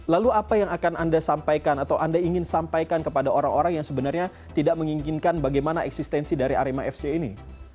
lalu apa yang akan anda sampaikan atau anda ingin sampaikan kepada orang orang yang sebenarnya tidak menginginkan bagaimana eksistensi dari arema fc ini